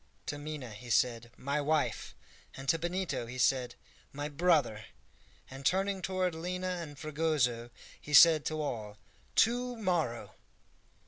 to Minha he said, "My wife!" and to Benito he said, "My brother!" and, turning toward Lina and Fragoso, he said to all, "To morrow!"